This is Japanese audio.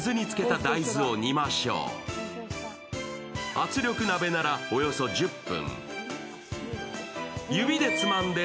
圧力鍋ならおよそ１０分。